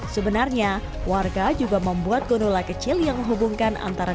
sebenarnya warga juga membuat gonola kecil yang menghubungkan antara